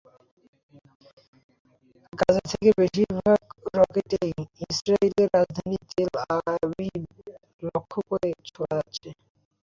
গাজা থেকে বেশির ভাগ রকেটই ইসরায়েলের রাজধানী তেল আবিব লক্ষ্য করে ছোড়া হচ্ছে।